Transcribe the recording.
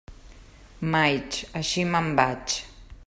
Maig, així me'n vaig.